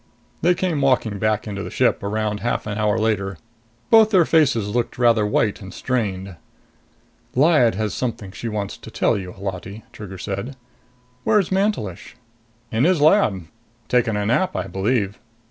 They came walking back into the ship around half an hour later. Both faces looked rather white and strained. "Lyad has something she wants to tell you, Holati," Trigger said. "Where's Mantelish?" "In his lab. Taking a nap, I believe."